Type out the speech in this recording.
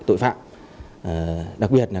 tội phạm đặc biệt là